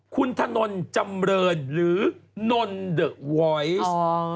ขุนถนนจำเรินหรือนนท์เวอส